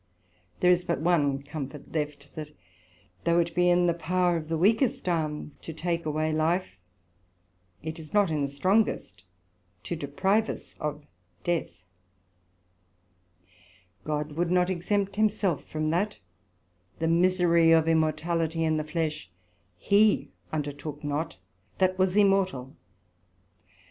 There is therefore but one comfort left, that, though it be in the power of the weakest arm to take away life, it is not in the strongest to deprive us of death: God would not exempt himself from that, the misery of immortality in the flesh; he undertook not that was immortal.